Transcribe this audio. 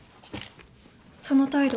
その態度